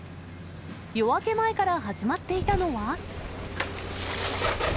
夜明け前から始まっていたのは。